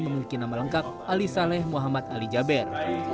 memiliki nama lengkap ali saleh muhammad ali jaber